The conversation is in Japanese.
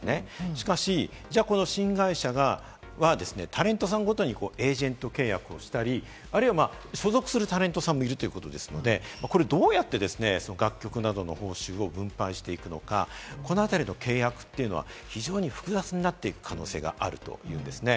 しかし、この新会社はタレントさんごとにエージェント契約をしたり、あるいは所属するタレントさんもいるということですので、これどうやって楽曲などの報酬を分配していくのか、このあたりの契約というのは非常に複雑になっていく可能性があるというんですね。